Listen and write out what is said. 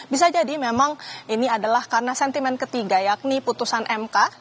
bisa jadi memang ini adalah karena sentimen ketiga yakni putusan mk